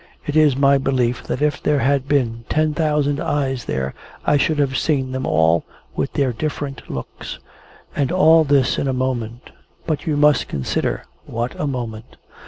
It is my belief that if there had been ten thousand eyes there, I should have seen them all, with their different looks. And all this in a moment. But you must consider what a moment.